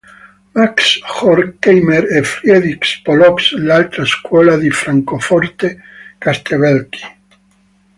Max Horkheimer e Friedrich Pollock: l'altra Scuola di Francoforte", Castelvecchi.